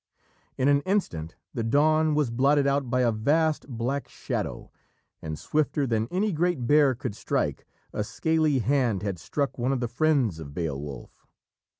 In an instant the dawn was blotted out by a vast black shadow, and swifter than any great bear could strike, a scaly hand had struck one of the friends of Beowulf.